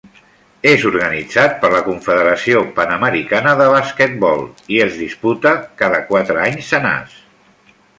És organitzat per la Confederació Panamericana de Basquetbol i es disputa cada quatre anys senars.